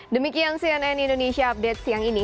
demikian cnn indonesia update siang ini